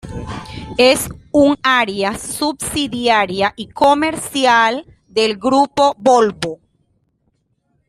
Es un área subsidiaria y comercial del Grupo Volvo.